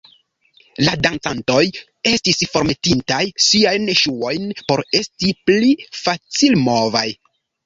La dancantoj estis formetintaj siajn ŝuojn por esti pli facilmovaj.